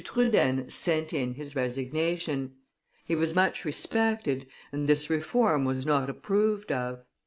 Trudaine sent in his resignation; he was much respected, and this reform was not approved of.